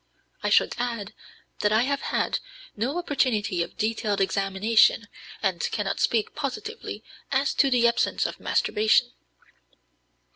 I should add that I have had no opportunity of detailed examination, and cannot speak positively as to the absence of masturbation.